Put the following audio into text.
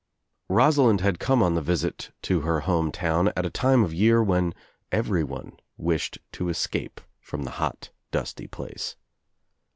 Rosalind had come on the visit to her home town at a time of the year when everyone wished to escape from the hot dusty place.